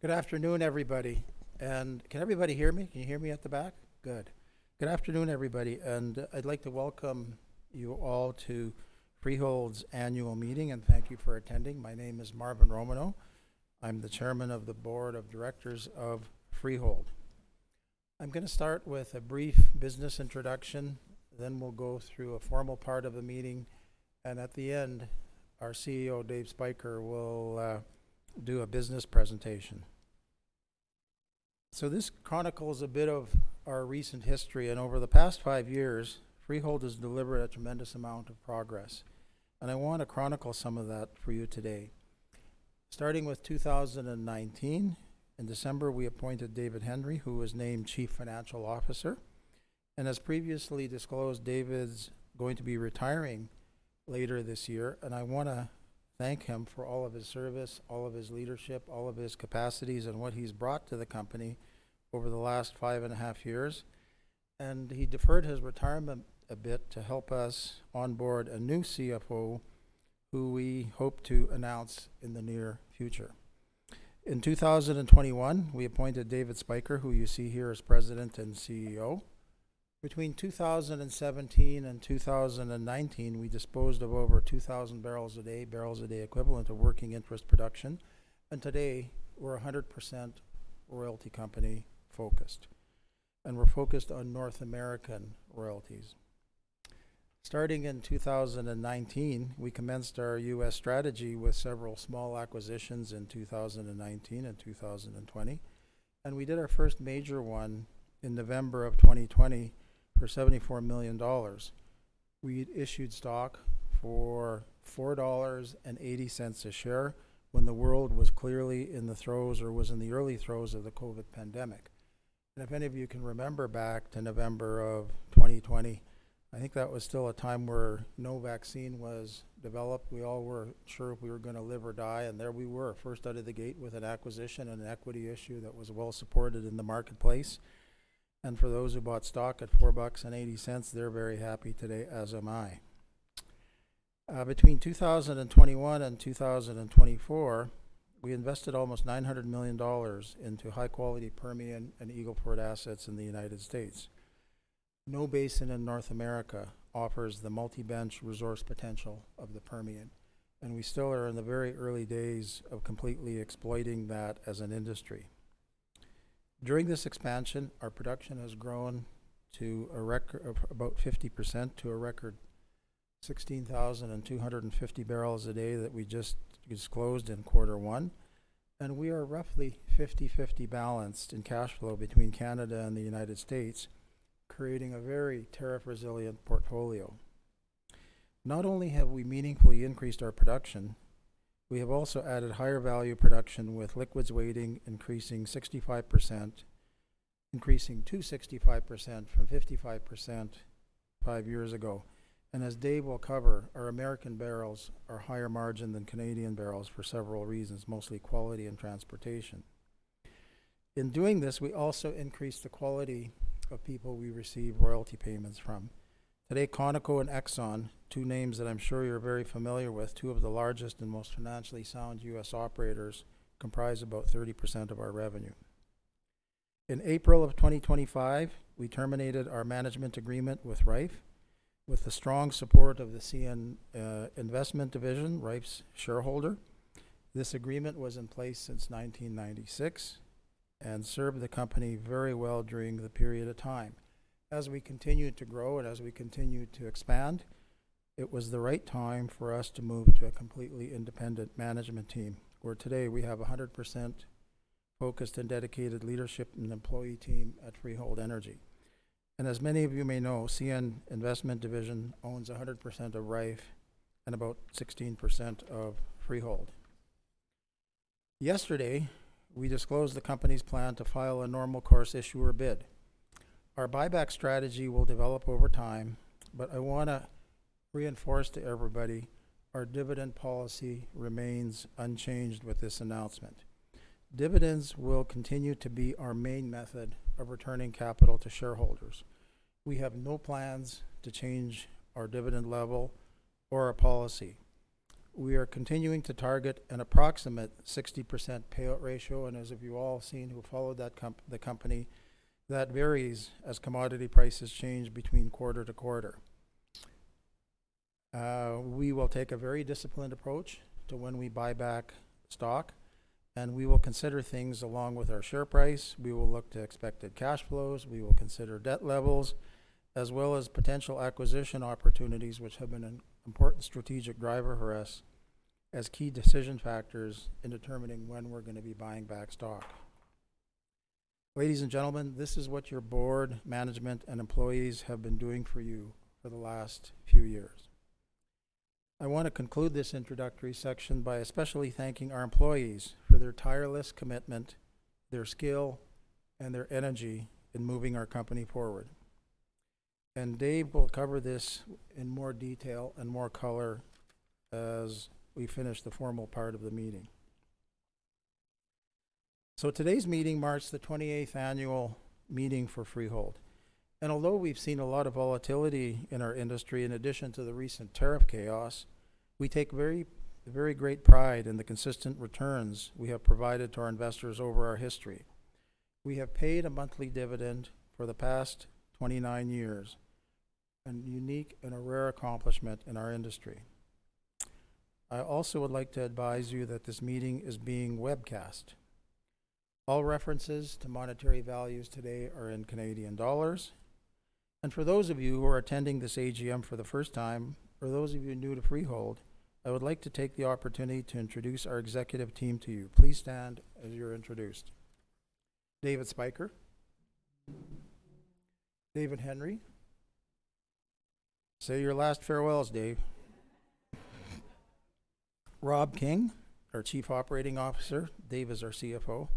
Good afternoon, everybody. Can everybody hear me? Can you hear me at the back? Good. Good afternoon, everybody. I'd like to welcome you all to Freehold's annual meeting, and thank you for attending. My name is Marvin Romano. I'm the Chairman of the Board of Directors of Freehold. I'm going to start with a brief business introduction, then we'll go through a formal part of the meeting, and at the end, our CEO, Dave Spyker, will do a business presentation. This chronicles a bit of our recent history, and over the past five years, Freehold has delivered a tremendous amount of progress. I want to chronicle some of that for you today. Starting with 2019, in December, we appointed David Hendry, who was named Chief Financial Officer. As previously disclosed, David's going to be retiring later this year, and I want to thank him for all of his service, all of his leadership, all of his capacities, and what he's brought to the company over the last five and a half years. He deferred his retirement a bit to help us onboard a new CFO, who we hope to announce in the near future. In 2021, we appointed David Spyker, who you see here as President and CEO. Between 2017 and 2019, we disposed of over 2,000 barrels a day, barrels a day equivalent to working interest production. Today, we're 100% royalty company focused. We're focused on North American royalties. Starting in 2019, we commenced our U.S. strategy with several small acquisitions in 2019 and 2020. We did our first major one in November of 2020 for 74 million dollars. We issued stock for 4.80 dollars a share when the world was clearly in the throes or was in the early throes of the COVID pandemic. If any of you can remember back to November of 2020, I think that was still a time where no vaccine was developed. We all were sure if we were going to live or die, and there we were, first out of the gate with an acquisition and an equity issue that was well-supported in the marketplace. For those who bought stock at 4.80 bucks, they're very happy today, as am I. Between 2021 and 2024, we invested almost 900 million dollars into high-quality Permian and Eagle Ford assets in the United States. No basin in North America offers the multi-bench resource potential of the Permian. We still are in the very early days of completely exploiting that as an industry. During this expansion, our production has grown to a record of about 50% to a record 16,250 barrels a day that we just disclosed in quarter one. We are roughly 50/50 balanced in cash flow between Canada and the United States, creating a very tariff-resilient portfolio. Not only have we meaningfully increased our production, we have also added higher value production with liquids weighting increasing to 65% from 55% five years ago. As Dave will cover, our American barrels are higher margin than Canadian barrels for several reasons, mostly quality and transportation. In doing this, we also increased the quality of people we receive royalty payments from. Today, ConocoPhillips and ExxonMobil, two names that I'm sure you're very familiar with, two of the largest and most financially sound U.S. operators, comprise about 30% of our revenue. In April of 2025, we terminated our management agreement with Rife, with the strong support of the CN Investment Division, Rife's shareholder. This agreement was in place since 1996 and served the company very well during the period of time. As we continued to grow and as we continued to expand, it was the right time for us to move to a completely independent management team, where today we have a 100% focused and dedicated leadership and employee team at Freehold Royalties. As many of you may know, CN Investment Division owns 100% of Rife and about 16% of Freehold. Yesterday, we disclosed the company's plan to file a normal course issuer bid. Our buyback strategy will develop over time, but I want to reinforce to everybody our dividend policy remains unchanged with this announcement. Dividends will continue to be our main method of returning capital to shareholders. We have no plans to change our dividend level or our policy. We are continuing to target an approximate 60% payout ratio, and as you've all seen who follow that company, that varies as commodity prices change between quarter to quarter. We will take a very disciplined approach to when we buy back stock, and we will consider things along with our share price. We will look to expected cash flows. We will consider debt levels, as well as potential acquisition opportunities, which have been an important strategic driver for us as key decision factors in determining when we're going to be buying back stock. Ladies and gentlemen, this is what your board, management, and employees have been doing for you for the last few years. I want to conclude this introductory section by especially thanking our employees for their tireless commitment, their skill, and their energy in moving our company forward. Dave will cover this in more detail and more color as we finish the formal part of the meeting. Today's meeting marks the 28th annual meeting for Freehold. Although we've seen a lot of volatility in our industry, in addition to the recent tariff chaos, we take very, very great pride in the consistent returns we have provided to our investors over our history. We have paid a monthly dividend for the past 29 years, a unique and a rare accomplishment in our industry. I also would like to advise you that this meeting is being webcast. All references to monetary values today are in CAD. For those of you who are attending this AGM for the first time, for those of you new to Freehold, I would like to take the opportunity to introduce our executive team to you. Please stand as you're introduced. David Spyker. David Hendry. Say your last farewells, Dave. Rob King, our Chief Operating Officer. Dave is our CFO.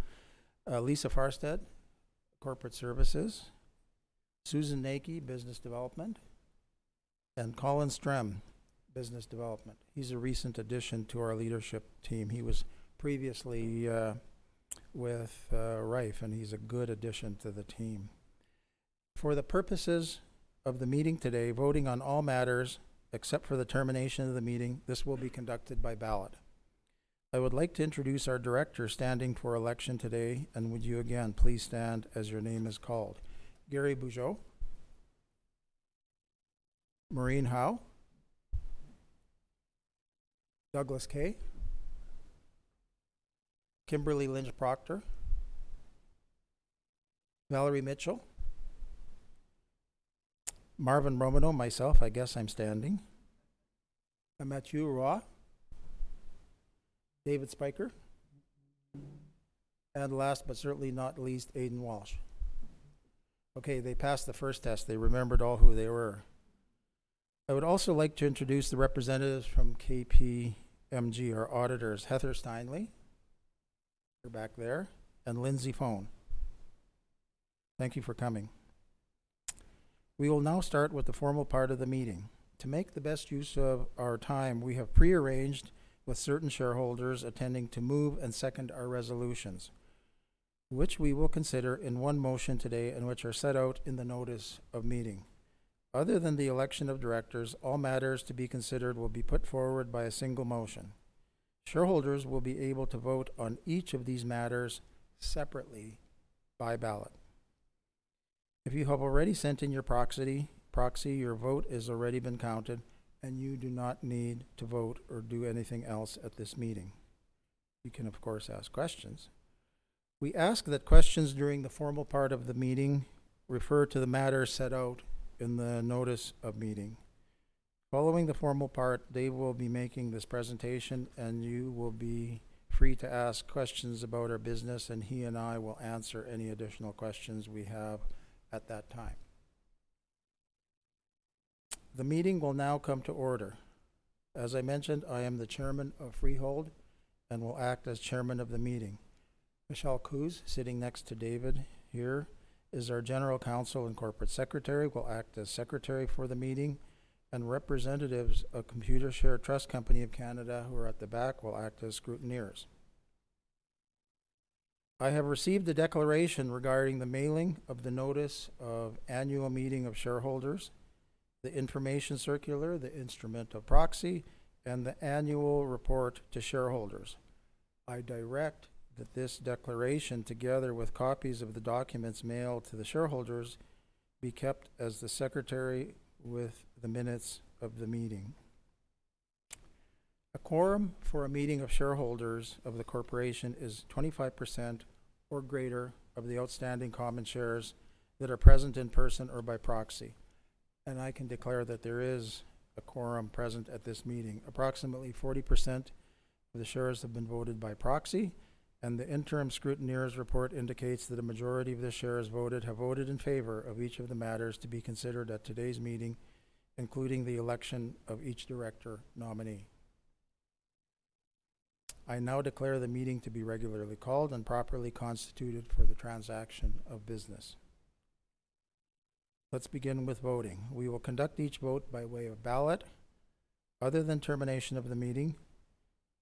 Lisa Farstead, Corporate Services. Susan Naicke, Business Development. And Colin Strem, Business Development. He's a recent addition to our leadership team. He was previously with Rife, and he's a good addition to the team. For the purposes of the meeting today, voting on all matters except for the termination of the meeting, this will be conducted by ballot. I would like to introduce our directors standing for election today, and would you again please stand as your name is called. Gary Bujoh. Maureen Hau. Douglas Kay. Kimberly Lynch Proctor. Valerie Mitchell. Marvin Romano, myself, I guess I'm standing. I'm Matthew Raw. David Spyker. And last but certainly not least, Aidan Walsh. Okay, they passed the first test. They remembered all who they were. I would also like to introduce the representatives from KPMG, our auditors, Heather Steinley. You're back there. And Lindsey Phane. Thank you for coming. We will now start with the formal part of the meeting. To make the best use of our time, we have prearranged with certain shareholders attending to move and second our resolutions, which we will consider in one motion today and which are set out in the notice of meeting. Other than the election of directors, all matters to be considered will be put forward by a single motion. Shareholders will be able to vote on each of these matters separately by ballot. If you have already sent in your proxy, your vote has already been counted, and you do not need to vote or do anything else at this meeting. You can, of course, ask questions. We ask that questions during the formal part of the meeting refer to the matters set out in the notice of meeting. Following the formal part, Dave will be making this presentation, and you will be free to ask questions about our business, and he and I will answer any additional questions we have at that time. The meeting will now come to order. As I mentioned, I am the Chairman of Freehold and will act as Chairman of the meeting. Michelle Coose, sitting next to David here, is our General Counsel and Corporate Secretary, will act as Secretary for the meeting, and representatives of ComputerShare Trust Company of Canada who are at the back will act as scrutineers. I have received the declaration regarding the mailing of the notice of annual meeting of shareholders, the information circular, the instrument of proxy, and the annual report to shareholders. I direct that this declaration, together with copies of the documents mailed to the shareholders, be kept as the Secretary with the minutes of the meeting. A quorum for a meeting of shareholders of the corporation is 25% or greater of the outstanding common shares that are present in person or by proxy. I can declare that there is a quorum present at this meeting. Approximately 40% of the shares have been voted by proxy, and the interim scrutineer's report indicates that a majority of the shares voted have voted in favor of each of the matters to be considered at today's meeting, including the election of each director nominee. I now declare the meeting to be regularly called and properly constituted for the transaction of business. Let's begin with voting. We will conduct each vote by way of ballot. Other than termination of the meeting,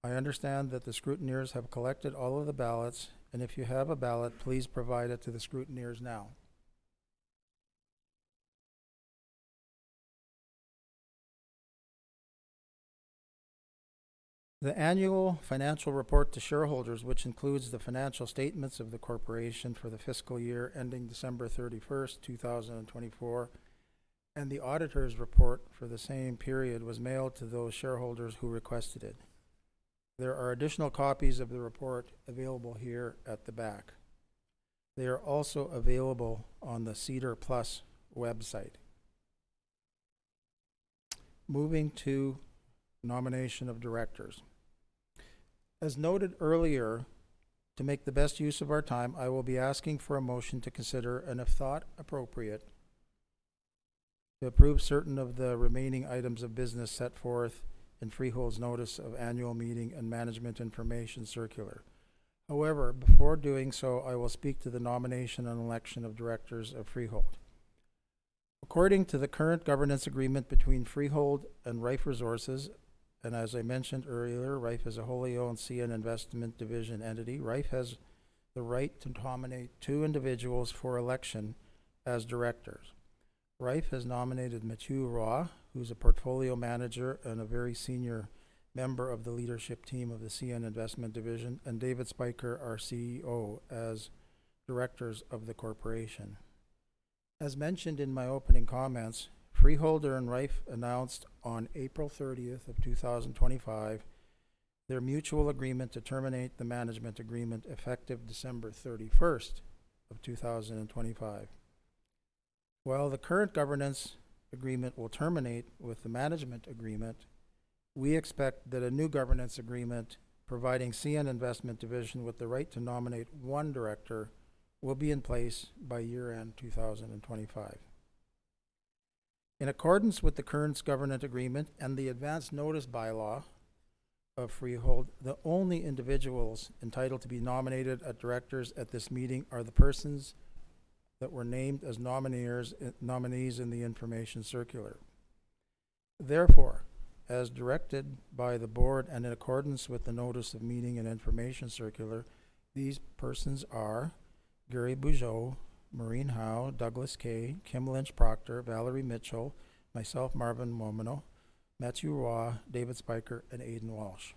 I understand that the scrutineers have collected all of the ballots, and if you have a ballot, please provide it to the scrutineers now. The annual financial report to shareholders, which includes the financial statements of the corporation for the fiscal year ending December 31st, 2024, and the auditor's report for the same period was mailed to those shareholders who requested it. There are additional copies of the report available here at the back. They are also available on the Cedar Plus website. Moving to nomination of directors. As noted earlier, to make the best use of our time, I will be asking for a motion to consider and, if thought appropriate, to approve certain of the remaining items of business set forth in Freehold's notice of annual meeting and management information circular. However, before doing so, I will speak to the nomination and election of directors of Freehold. According to the current governance agreement between Freehold and Rife Resources, and as I mentioned earlier, Rife is a wholly owned CN Investment Division entity, Rife has the right to nominate two individuals for election as directors. Rife has nominated Matthew Raw, who's a portfolio manager and a very senior member of the leadership team of the CN Investment Division, and David Spyker, our CEO, as directors of the corporation. As mentioned in my opening comments, Freehold and Rife announced on April 30th of 2025 their mutual agreement to terminate the management agreement effective December 31st of 2025. While the current governance agreement will terminate with the management agreement, we expect that a new governance agreement providing CN Investment Division with the right to nominate one director will be in place by year-end 2025. In accordance with the current governance agreement and the advance notice bylaw of Freehold, the only individuals entitled to be nominated as directors at this meeting are the persons that were named as nominees in the information circular. Therefore, as directed by the board and in accordance with the notice of meeting and information circular, these persons are Gary Bujoh, Maureen Hau, Douglas Kay, Kimberly Lynch Proctor, Valerie Mitchell, myself, Marvin Romano, Matthew Raw, David Spyker, and Aidan Walsh.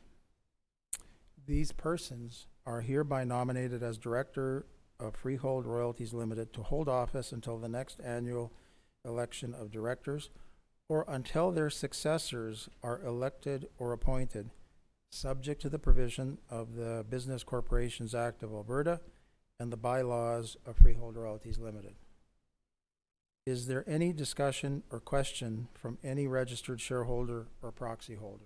These persons are hereby nominated as director of Freehold Royalties Limited to hold office until the next annual election of directors or until their successors are elected or appointed, subject to the provision of the Business Corporations Act of Alberta and the bylaws of Freehold Royalties Limited. Is there any discussion or question from any registered shareholder or proxy holder?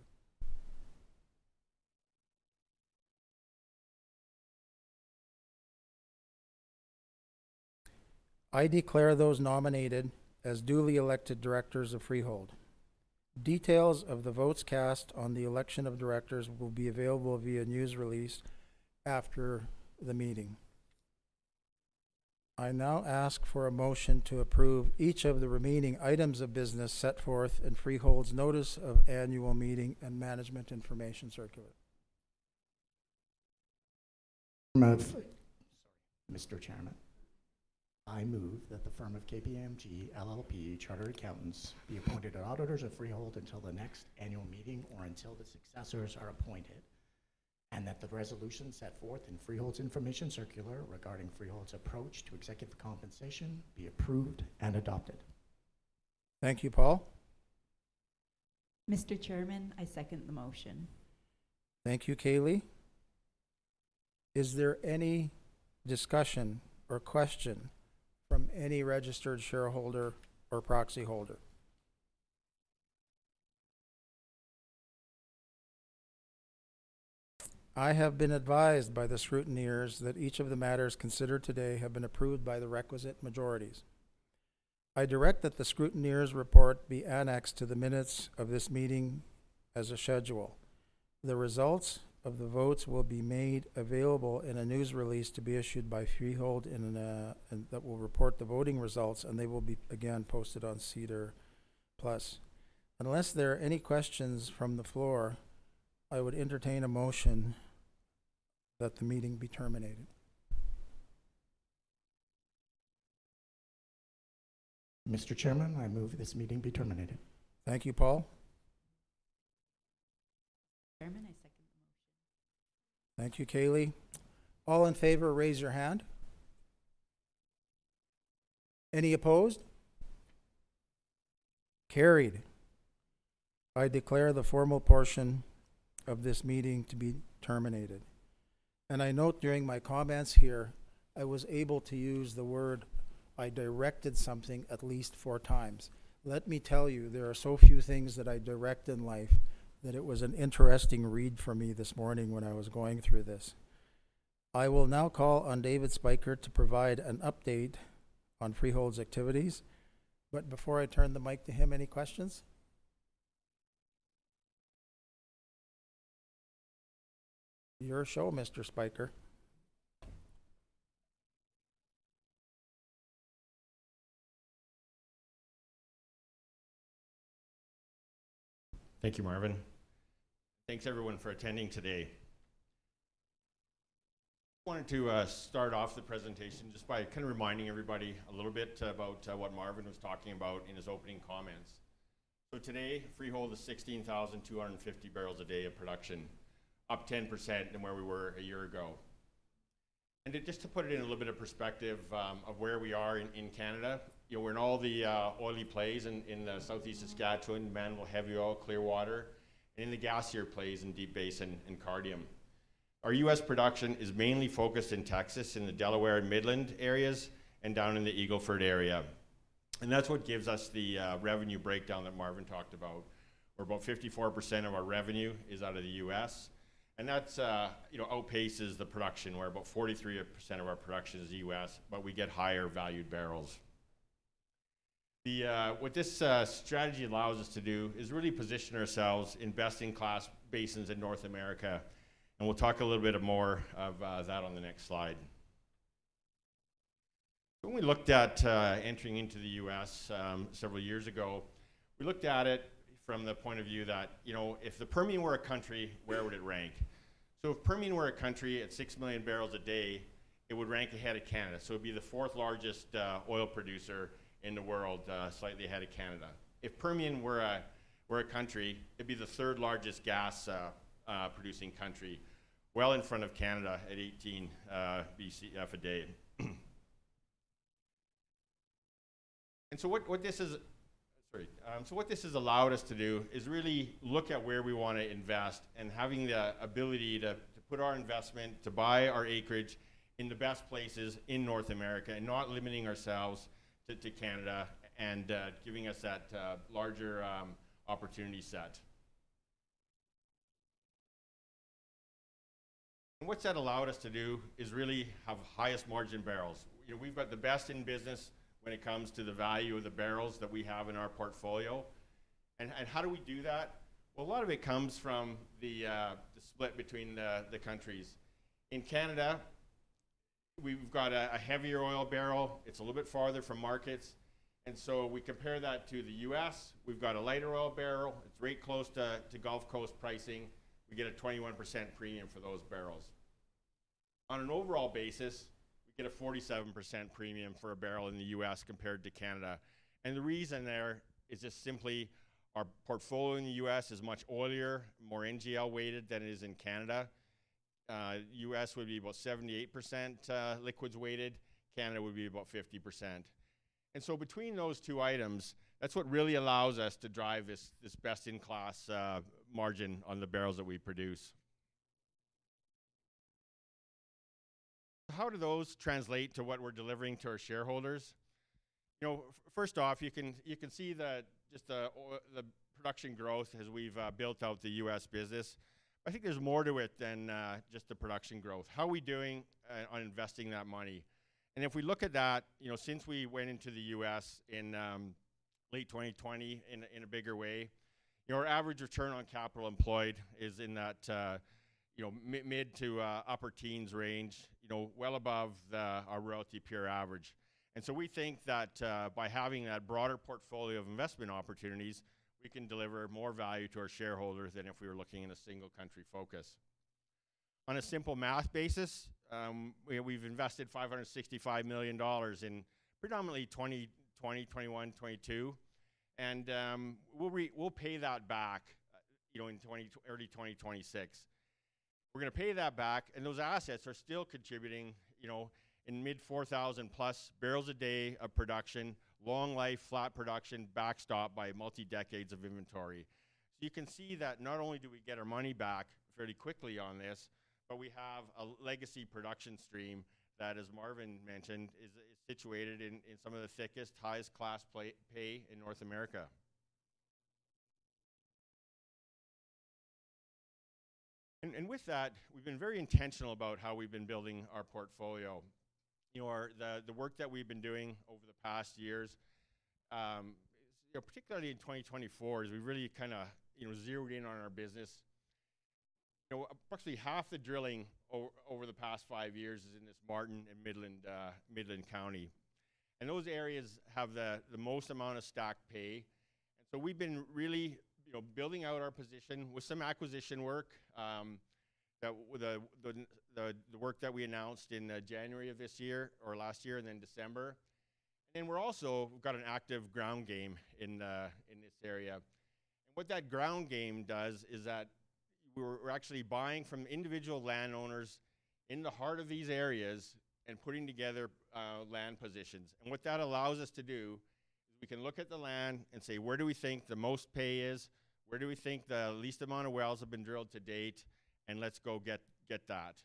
I declare those nominated as duly elected directors of Freehold. Details of the votes cast on the election of directors will be available via news release after the meeting. I now ask for a motion to approve each of the remaining items of business set forth in Freehold's notice of annual meeting and management information circular. Mr. Chairman, I move that the firm of KPMG LLP Chartered Accountants be appointed as auditors of Freehold until the next annual meeting or until the successors are appointed, and that the resolution set forth in Freehold's information circular regarding Freehold's approach to executive compensation be approved and adopted. Thank you, Paul. Mr. Chairman, I second the motion. Thank you, Kaylee. Is there any discussion or question from any registered shareholder or proxy holder? I have been advised by the scrutineers that each of the matters considered today have been approved by the requisite majorities. I direct that the scrutineers' report be annexed to the minutes of this meeting as a schedule. The results of the votes will be made available in a news release to be issued by Freehold that will report the voting results, and they will be again posted on SEDAR Plus. Unless there are any questions from the floor, I would entertain a motion that the meeting be terminated. Mr. Chairman, I move this meeting be terminated. Thank you, Paul. Mr. Chairman, I second the motion. Thank you, Kaylee. All in favor, raise your hand. Any opposed? Carried. I declare the formal portion of this meeting to be terminated. I note during my comments here, I was able to use the word I directed something at least four times. Let me tell you, there are so few things that I direct in life that it was an interesting read for me this morning when I was going through this. I will now call on David Spyker to provide an update on Freehold's activities. Before I turn the mic to him, any questions? Your show, Mr. Spyker. Thank you, Marvin. Thanks, everyone, for attending today. I wanted to start off the presentation just by kind of reminding everybody a little bit about what Marvin was talking about in his opening comments. Today, Freehold is 16,250 barrels a day of production, up 10% than where we were a year ago. Just to put it in a little bit of perspective of where we are in Canada, we are in all the oily plays in the southeast Saskatchewan, Mannville heavy oil, Clearwater, and in the gassier plays in Deep Basin and Cardium. Our U.S. production is mainly focused in Texas in the Delaware and Midland areas and down in the Eagle Ford area. That is what gives us the revenue breakdown that Marvin talked about, where about 54% of our revenue is out of the U.S. That outpaces the production, where about 43% of our production is the U.S., but we get higher valued barrels. What this strategy allows us to do is really position ourselves in best-in-class basins in North America. We will talk a little bit more of that on the next slide. When we looked at entering into the U.S. several years ago, we looked at it from the point of view that if the Permian were a country, where would it rank? If Permian were a country at 6 million barrels a day, it would rank ahead of Canada. It would be the fourth largest oil producer in the world, slightly ahead of Canada. If Permian were a country, it'd be the third largest gas-producing country, well in front of Canada at 18 BCF a day. What this has allowed us to do is really look at where we want to invest and having the ability to put our investment, to buy our acreage in the best places in North America and not limiting ourselves to Canada and giving us that larger opportunity set. What that's allowed us to do is really have highest margin barrels. We've got the best in business when it comes to the value of the barrels that we have in our portfolio. How do we do that? A lot of it comes from the split between the countries. In Canada, we've got a heavier oil barrel. It's a little bit farther from markets. We compare that to the U.S. We've got a lighter oil barrel. It's very close to Gulf Coast pricing. We get a 21% premium for those barrels. On an overall basis, we get a 47% premium for a barrel in the U.S. compared to Canada. The reason there is just simply our portfolio in the U.S. is much oilier, more NGL-weighted than it is in Canada. U.S. would be about 78% liquids-weighted. Canada would be about 50%. Between those two items, that's what really allows us to drive this best-in-class margin on the barrels that we produce. How do those translate to what we're delivering to our shareholders? First off, you can see that just the production growth as we've built out the U.S. business. I think there's more to it than just the production growth. How are we doing on investing that money? If we look at that, since we went into the U.S. in late 2020 in a bigger way, our average return on capital employed is in that mid to upper teens range, well above our royalty peer average. We think that by having that broader portfolio of investment opportunities, we can deliver more value to our shareholders than if we were looking in a single country focus. On a simple math basis, we have invested CAD 565 million in predominantly 2020, 2021, 2022. We will pay that back in early 2026. We are going to pay that back. Those assets are still contributing in mid 4,000 plus barrels a day of production, long life flat production backstopped by multi-decades of inventory. You can see that not only do we get our money back fairly quickly on this, but we have a legacy production stream that, as Marvin mentioned, is situated in some of the thickest, highest class pay in North America. With that, we've been very intentional about how we've been building our portfolio. The work that we've been doing over the past years, particularly in 2024, is we've really kind of zeroed in on our business. Approximately half the drilling over the past five years is in this Martin and Midland County. Those areas have the most amount of stacked pay. We've been really building out our position with some acquisition work, the work that we announced in January of this year or last year and then December. We've also got an active ground game in this area. What that ground game does is that we're actually buying from individual landowners in the heart of these areas and putting together land positions. What that allows us to do is we can look at the land and say, "Where do we think the most pay is? Where do we think the least amount of wells have been drilled to date? Let's go get that."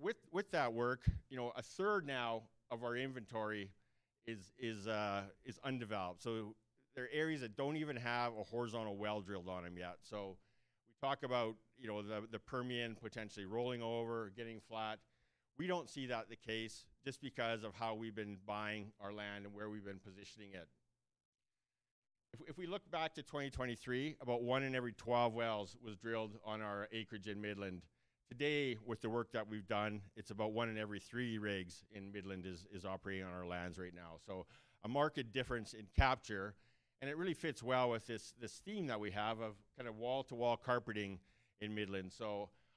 With that work, a third now of our inventory is undeveloped. There are areas that do not even have a horizontal well drilled on them yet. We talk about the Permian potentially rolling over, getting flat. We do not see that the case just because of how we've been buying our land and where we've been positioning it. If we look back to 2023, about one in every 12 wells was drilled on our acreage in Midland. Today, with the work that we've done, it's about one in every three rigs in Midland is operating on our lands right now. A marked difference in capture. It really fits well with this theme that we have of kind of wall-to-wall carpeting in Midland.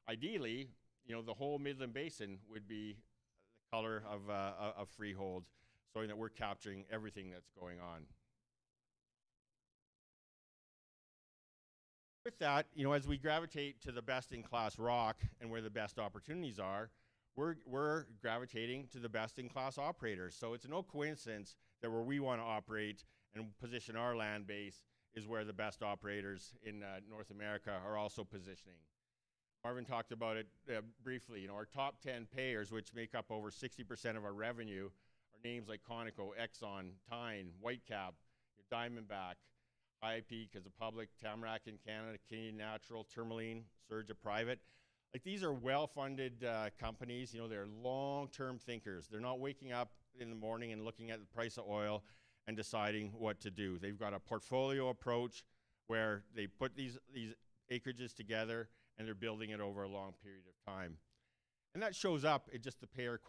Ideally, the whole Midland Basin would be the color of Freehold, showing that we're capturing everything that's going on. With that, as we gravitate to the best-in-class rock and where the best opportunities are, we're gravitating to the best-in-class operators. It's no coincidence that where we want to operate and position our land base is where the best operators in North America are also positioning. Marvin talked about it briefly. Our top 10 payers, which make up over 60% of our revenue, are names like ConocoPhillips, ExxonMobil, EOG, Whitecap, Diamondback, IP because of public, Tamarack in Canada, Canadian Natural, Tourmaline, Surge, or private. These are well-funded companies. They're long-term thinkers. They're not waking up in the morning and looking at the price of oil and deciding what to do. They've got a portfolio approach where they put these acreages together and they're building it over a long period of time. That shows up in just the payer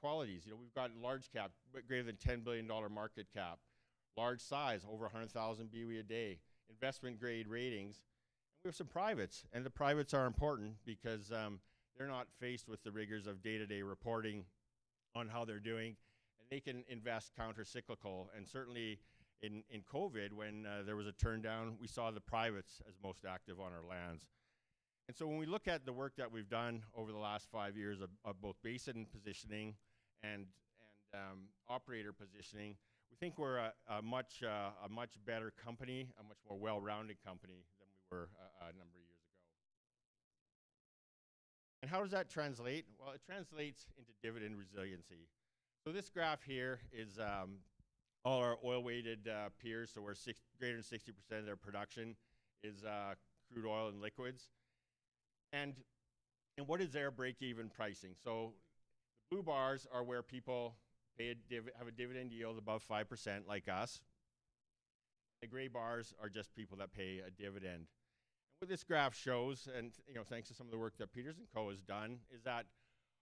qualities. We've got large cap, greater than $10 billion market cap, large size, over 100,000 BOE/d, investment-grade ratings. We have some privates. The privates are important because they're not faced with the rigors of day-to-day reporting on how they're doing. They can invest countercyclical. Certainly in COVID, when there was a turndown, we saw the privates as most active on our lands. When we look at the work that we have done over the last five years of both basin positioning and operator positioning, we think we are a much better company, a much more well-rounded company than we were a number of years ago. How does that translate? It translates into dividend resiliency. This graph here is all our oil-weighted peers. We are greater than 60% of their production is crude oil and liquids. What is their break-even pricing? The blue bars are where people have a dividend yield above 5% like us. The gray bars are just people that pay a dividend. What this graph shows, and thanks to some of the work that Peters and Co has done, is that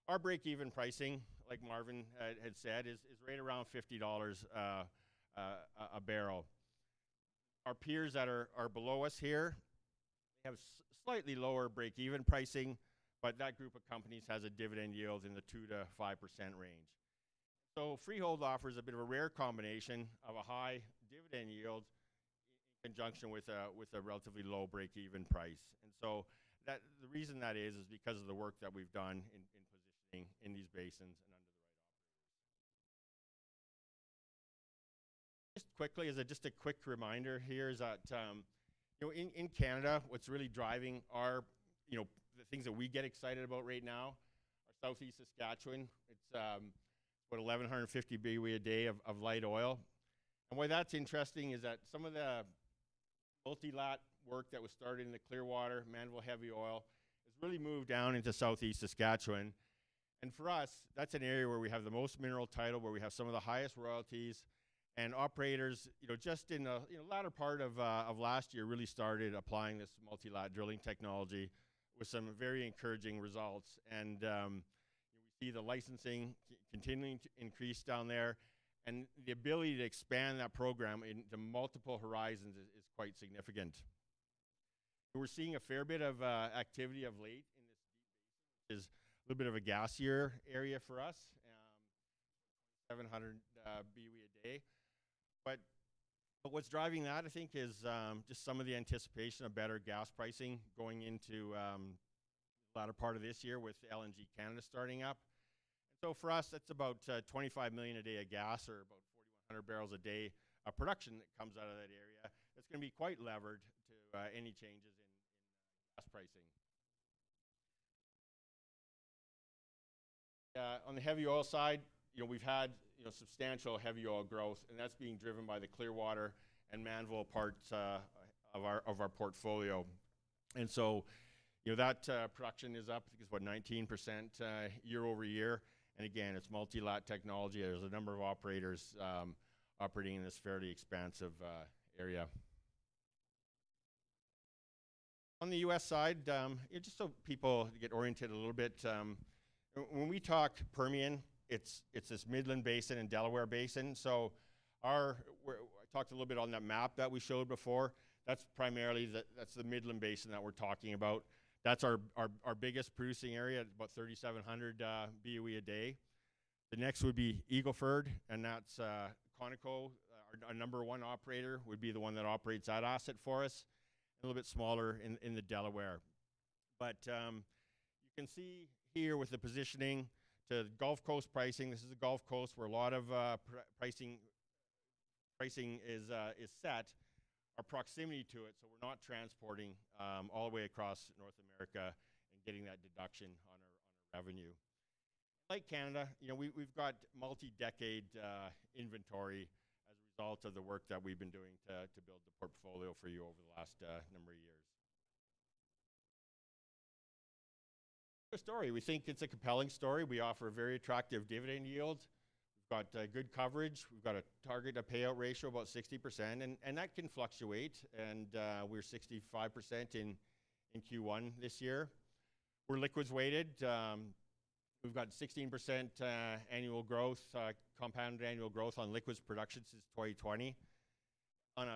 our break-even pricing, like Marvin had said, is right around $50 a barrel. Our peers that are below us here, they have slightly lower break-even pricing, but that group of companies has a dividend yield in the 2-5% range. Freehold offers a bit of a rare combination of a high dividend yield in conjunction with a relatively low break-even price. The reason that is, is because of the work that we have done in positioning in these basins and under the right operators. Just quickly, as just a quick reminder here, in Canada, what is really driving the things that we get excited about right now are southeast Saskatchewan. It is about 1,150 BOE/d of light oil. Why that's interesting is that some of the multi-lat work that was started in the Clearwater, manual heavy oil, has really moved down into southeast Saskatchewan. For us, that's an area where we have the most mineral title, where we have some of the highest royalties. Operators just in the latter part of last year really started applying this multi-lat drilling technology with some very encouraging results. We see the licensing continuing to increase down there. The ability to expand that program into multiple horizons is quite significant. We're seeing a fair bit of activity of late in this Deep Basin. It is a little bit of a gassier area for us, 700 BOE/d. What's driving that, I think, is just some of the anticipation of better gas pricing going into the latter part of this year with LNG Canada starting up. For us, that's about 25 million a day of gas or about 4,100 barrels a day of production that comes out of that area. It is going to be quite levered to any changes in gas pricing. On the heavy oil side, we have had substantial heavy oil growth, and that is being driven by the Clearwater and Mannville parts of our portfolio. That production is up, I think it is about 19% year over year. Again, it is multi-lateral technology. There are a number of operators operating in this fairly expansive area. On the U.S. side, just so people get oriented a little bit, when we talk Permian, it is this Midland Basin and Delaware Basin. I talked a little bit on that map that we showed before. That is primarily the Midland Basin that we are talking about. That is our biggest producing area, about 3,700 BOE/d. The next would be Eagle Ford, and that's Conoco, our number one operator, would be the one that operates that asset for us, a little bit smaller in the Delaware. You can see here with the positioning to Gulf Coast pricing, this is the Gulf Coast where a lot of pricing is set, our proximity to it. We are not transporting all the way across North America and getting that deduction on our revenue. Like Canada, we have multi-decade inventory as a result of the work that we have been doing to build the portfolio for you over the last number of years. Story. We think it is a compelling story. We offer a very attractive dividend yield. We have good coverage. We have a target of payout ratio of about 60%. That can fluctuate. We are 65% in Q1 this year. We are liquids-weighted. We've got 16% annual growth, compounded annual growth on liquids production since 2020. On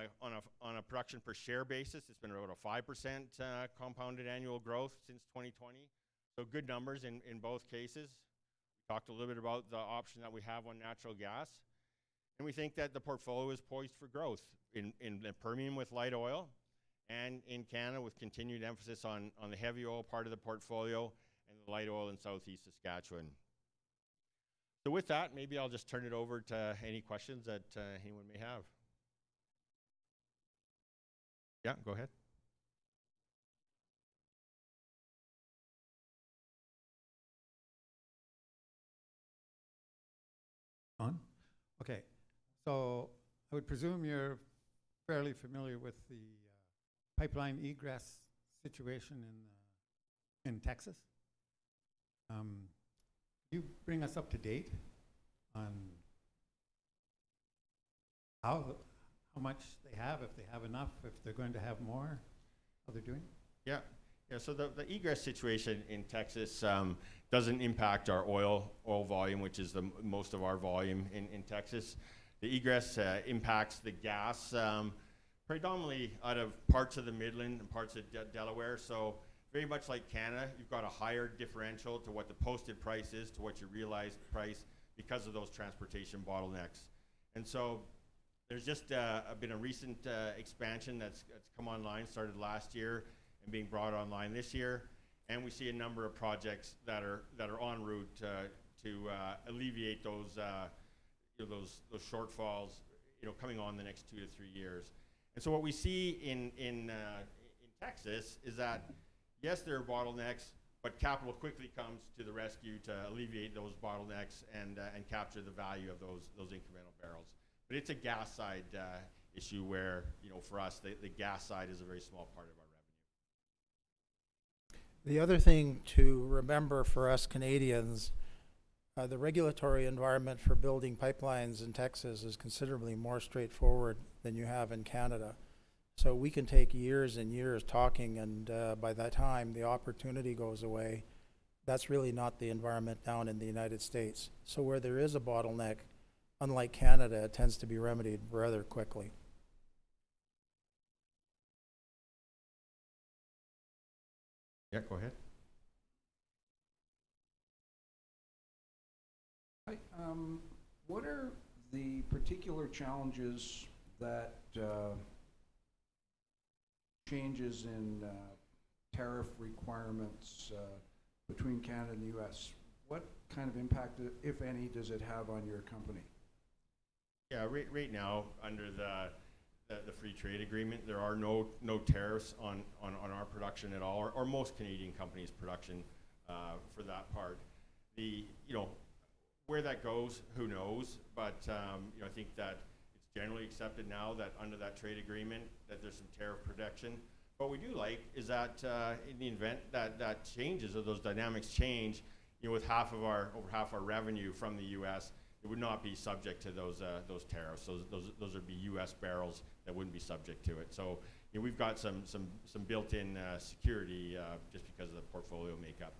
a production per share basis, it's been around a 5% compounded annual growth since 2020. Good numbers in both cases. We talked a little bit about the option that we have on natural gas. We think that the portfolio is poised for growth in Permian with light oil and in Canada with continued emphasis on the heavy oil part of the portfolio and the light oil in southeast Saskatchewan. With that, maybe I'll just turn it over to any questions that anyone may have. Yeah, go ahead. I would presume you're fairly familiar with the pipeline egress situation in Texas. Can you bring us up to date on how much they have, if they have enough, if they're going to have more, how they're doing? Yeah. The egress situation in Texas does not impact our oil volume, which is most of our volume in Texas. The egress impacts the gas predominantly out of parts of the Midland and parts of Delaware. Very much like Canada, you have a higher differential to what the posted price is to what you realize the price because of those transportation bottlenecks. There has just been a recent expansion that has come online, started last year and being brought online this year. We see a number of projects that are en route to alleviate those shortfalls coming on in the next two to three years. What we see in Texas is that, yes, there are bottlenecks, but capital quickly comes to the rescue to alleviate those bottlenecks and capture the value of those incremental barrels. It is a gas side issue where for us, the gas side is a very small part of our revenue. The other thing to remember for us Canadians, the regulatory environment for building pipelines in Texas is considerably more straightforward than you have in Canada. We can take years and years talking, and by that time, the opportunity goes away. That is really not the environment down in the United States. Where there is a bottleneck, unlike Canada, it tends to be remedied rather quickly. Yeah, go ahead. Hi. What are the particular challenges that changes in tariff requirements between Canada and the U.S.? What kind of impact, if any, does it have on your company? Yeah. Right now, under the free trade agreement, there are no tariffs on our production at all, or most Canadian companies' production for that part. Where that goes, who knows. I think that it's generally accepted now that under that trade agreement, there's some tariff protection. What we do like is that in the event that changes or those dynamics change, with half of our revenue from the U.S., it would not be subject to those tariffs. Those would be U.S. barrels that would not be subject to it. We have some built-in security just because of the portfolio makeup.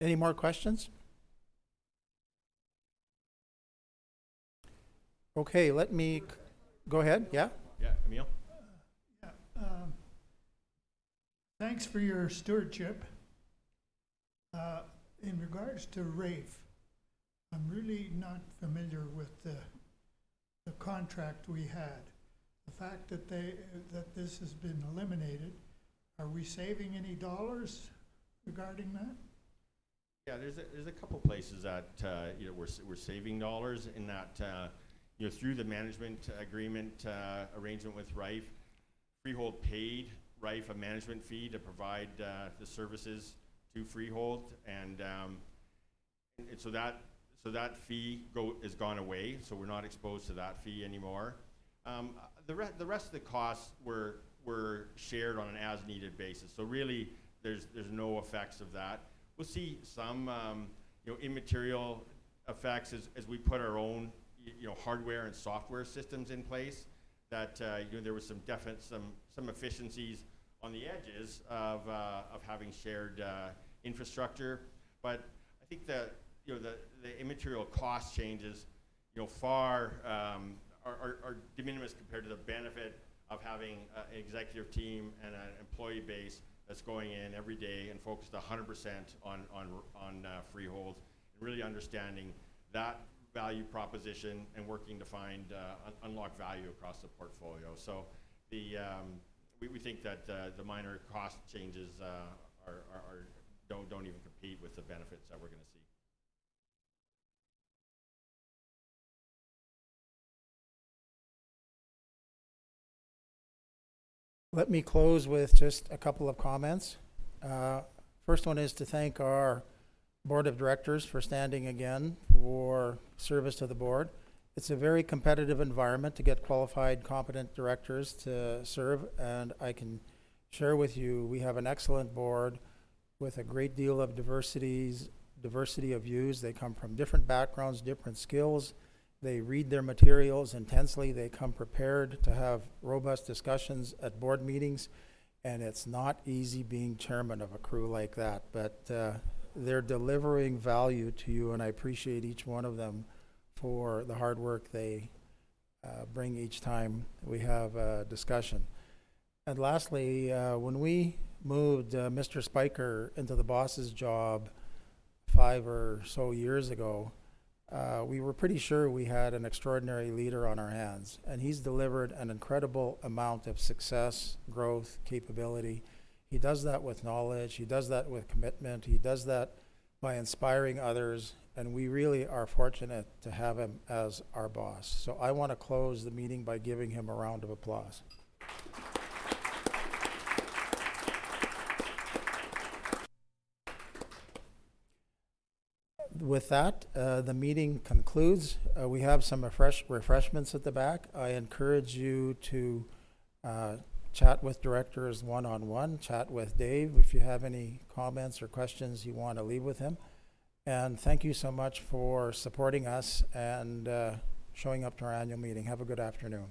Any more questions? Okay. Let me go ahead. Yeah? Yeah. Emile. Yeah. Thanks for your stewardship. In regards to Rife, I'm really not familiar with the contract we had. The fact that this has been eliminated, are we saving any dollars regarding that? Yeah. There are a couple of places that we are saving dollars in that. Through the management agreement arrangement with Rife, Freehold paid Rife a management fee to provide the services to Freehold. That fee has gone away. We are not exposed to that fee anymore. The rest of the costs were shared on an as-needed basis. There are no effects of that. We will see some immaterial effects as we put our own hardware and software systems in place. There were some efficiencies on the edges of having shared infrastructure. I think that the immaterial cost changes are de minimis compared to the benefit of having an executive team and an employee base that is going in every day and focused 100% on Freehold and really understanding that value proposition and working to unlock value across the portfolio. We think that the minor cost changes do not even compete with the benefits that we are going to see. Let me close with just a couple of comments. First one is to thank our board of directors for standing again for service to the board. It's a very competitive environment to get qualified, competent directors to serve. I can share with you, we have an excellent board with a great deal of diversity, diversity of views. They come from different backgrounds, different skills. They read their materials intensely. They come prepared to have robust discussions at board meetings. It's not easy being chairman of a crew like that. They're delivering value to you, and I appreciate each one of them for the hard work they bring each time we have a discussion. Lastly, when we moved Mr. Spyker into the boss's job five or so years ago, we were pretty sure we had an extraordinary leader on our hands. He's delivered an incredible amount of success, growth, capability. He does that with knowledge. He does that with commitment. He does that by inspiring others. We really are fortunate to have him as our boss. I want to close the meeting by giving him a round of applause. With that, the meeting concludes. We have some refreshments at the back. I encourage you to chat with directors one-on-one, chat with Dave if you have any comments or questions you want to leave with him. Thank you so much for supporting us and showing up to our annual meeting. Have a good afternoon.